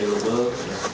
tetap harus dijaga